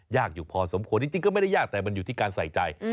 อยู่พอสมควรจริงก็ไม่ได้ยากแต่มันอยู่ที่การใส่ใจ